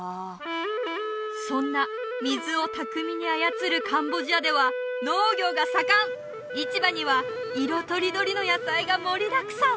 そんな水を巧みに操るカンボジアでは農業が盛ん市場には色とりどりの野菜が盛りだくさん